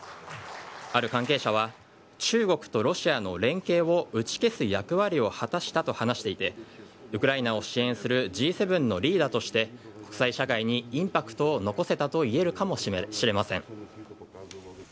ある関係者は中国とロシアの連携を打ち消す役割を果たしたと話していてウクライナを支援するＧ７のリーダーとして国際社会にインパクトを残せたといえるかもしれません。